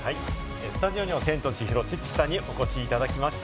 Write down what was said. スタジオにはセントチヒロ・チッチさんにお越しいただきました。